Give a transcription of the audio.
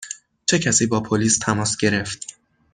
چه کسی با پلیس تماس گرفت؟